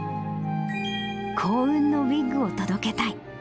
幸運のウイッグを届けたい。